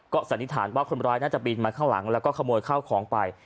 สันนิษฐานว่าคนร้ายน่าจะบินมาข้างหลังแล้วก็ขโมยข้าวของไป